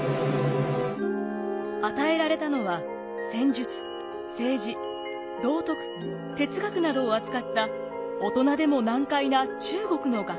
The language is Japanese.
与えられたのは戦術政治道徳哲学などを扱った大人でも難解な中国の学問書。